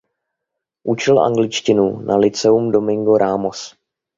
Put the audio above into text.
Učil angličtinu na Lyceum Domingo Ramos.